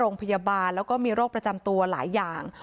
โรงพยาบาลแล้วก็มีโรคประจำตัวหลายอย่าง